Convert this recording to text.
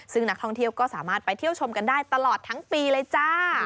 ซึ่งนักท่องเที่ยวก็สามารถไปเที่ยวชมกันได้ตลอดทั้งปีเลยจ้า